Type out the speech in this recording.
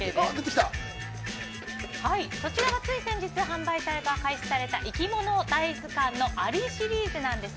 こちらはつい先日販売開始されたいきもの大図鑑のありシリーズです。